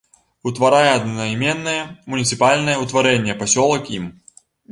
Утварае аднайменнае муніцыпальнае ўтварэнне пасёлак ім.